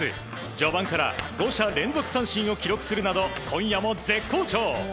序盤から５者連続三振を記録するなど今夜も絶好調。